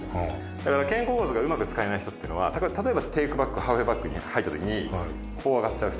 だから肩甲骨がうまく使えない人っていうのは例えばテークバックハーフウェイバックに入ったときにこう上がっちゃう人。